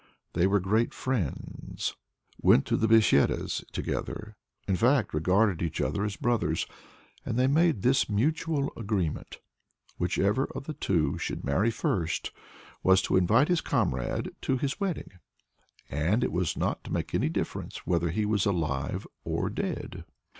They were great friends, went to besyedas together, in fact, regarded each other as brothers. And they made this mutual agreement. Whichever of the two should marry first was to invite his comrade to his wedding. And it was not to make any difference whether he was alive or dead.